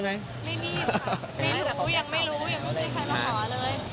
มีหนูอย่างไม่รู้ไม่ได้ใครมาหาเลย